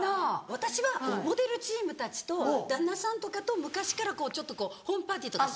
私はモデルチームたちと旦那さんとかと昔からちょっとこうホームパーティーとかする仲で。